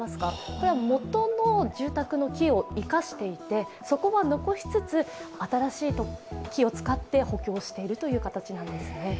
これは元の住宅の木を生かしていて、そこは残しつつ、新しい木を使って補強しているという形なんですね。